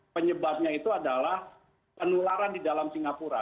penyebabnya itu adalah penularan di dalam singapura